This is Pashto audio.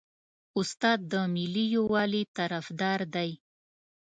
استاد د ملي یووالي طرفدار دی.